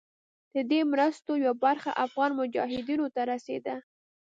د دې مرستو یوه برخه افغان مجاهدینو ته رسېده.